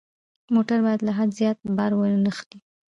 موټر باید له حد زیات بار وانه خلي.